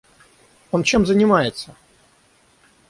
Он чем занимается?